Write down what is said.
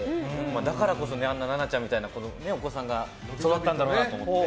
だからこそななちゃんみたいなお子さんが育ったんだろうなと思って。